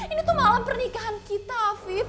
ini tuh malam pernikahan kita fib